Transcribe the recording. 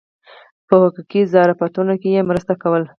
په حقوقي ظرافتونو کې یې مرسته کوله.